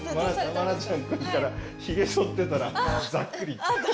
愛菜ちゃん来るからひげ剃ってたら、ざっくりいっちゃった。